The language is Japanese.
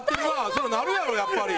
そりゃなるやろやっぱり。